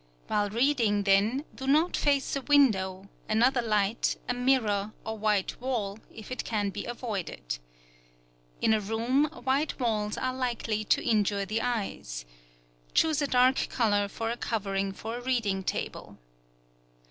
While reading, then, do not face a window, another light, a mirror, or white wall, if it can be avoided. In a room, white walls are likely to injure the eyes. Choose a dark colour for a covering for a reading table.